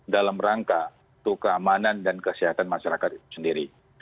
dalam rangka keamanan dan kesehatan masyarakat sendiri